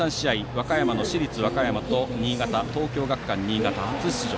和歌山の市立和歌山と新潟・東京学館新潟、初出場。